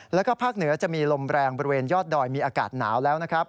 แล้วก็ภาคเหนือจะมีลมแรงบริเวณยอดดอยมีอากาศหนาวแล้วนะครับ